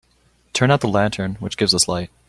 Turn out the lantern which gives us light.